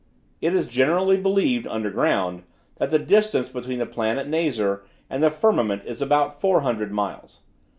It is generally believed, under ground, that the distance between the planet Nazar and the firmament is about four hundred miles.